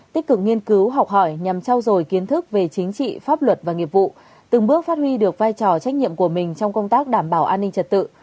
tích cực nghiên cứu học hỏi nhằm trao dồi kiến thức về chính trị pháp luật và nghiệp vụ từng bước phát huy được vai trò trách nhiệm của mình trong công tác đảm bảo an ninh trật tự